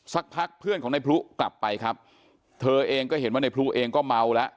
สักพักเพื่อนของนายพลุกลับไปครับเธอเองก็เห็นว่าในพลูเองก็เมาแล้ว